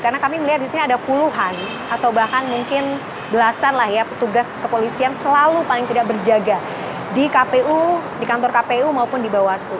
karena kami melihat di sini ada puluhan atau bahkan mungkin belasan lah ya petugas kepolisian selalu paling tidak berjaga di kpu di kantor kpu maupun di bawah seluruh